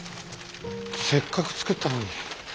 せっかく作ったのに。